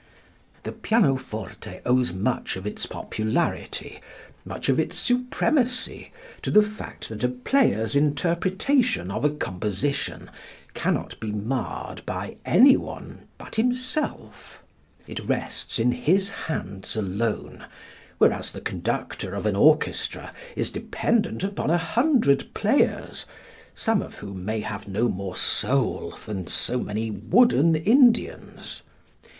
The pianoforte owes much of its popularity, much of its supremacy, to the fact that a player's interpretation of a composition cannot be marred by any one but himself. It rests in his hands alone, whereas the conductor of an orchestra is dependent upon a hundred players, some of whom may have no more soul than so many wooden Indians.